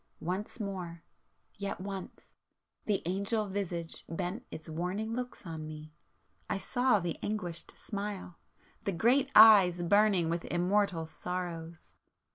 Once more ... yet once, ... the Angel visage bent its warning looks on me, ... I saw the anguished smile, ... the great eyes burning with immortal sorrows!